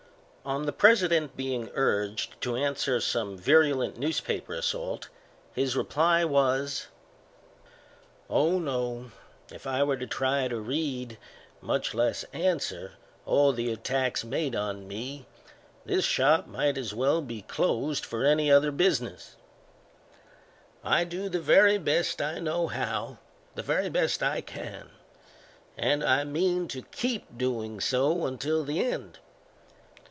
On the President being urged to answer some virulent newspaper assault, his reply was: "Oh, no; if I were to try to read, much less answer, all the attacks made on me, this shop might as well be closed for any other business, I do the very best I know how the very best I can; and I mean to keep doing so, until the end.